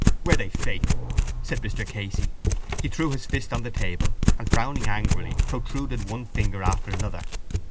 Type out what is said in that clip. —Were they, faith? said Mr Casey. He threw his fist on the table and, frowning angrily, protruded one finger after another.